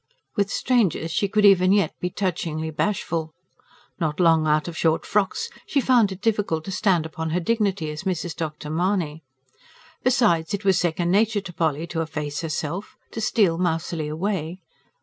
With strangers she could even yet be touchingly bashful. Not long out of short frocks, she found it difficult to stand upon her dignity as Mrs. Dr. Mahony. Besides, it was second nature to Polly to efface herself, to steal mousily away.